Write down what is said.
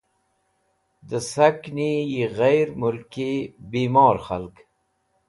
Dẽ sakni yi gheyr mũlki bimor k̃halg.